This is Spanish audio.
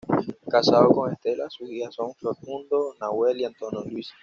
Casado con Estela, sus hijos son Facundo, Nahuel y Antonio Luis.